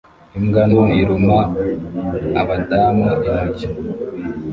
Imbwa nto iruma abadamu intoki